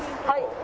はい。